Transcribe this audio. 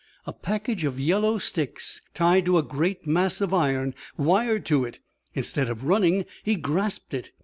A package of yellow sticks tied to a great mass of iron wired to it. Instead of running, he grasped it.